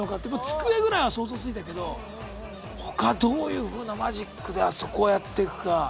机ぐらいは想像ついたけど他どういうふうなマジックであそこをやっていくか。